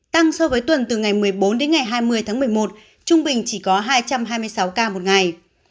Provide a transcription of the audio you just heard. tăng so với tuần từ ngày một mươi bốn đến ngày hai mươi tháng một mươi một trung bình chỉ có hai trăm hai mươi sáu ca một ngày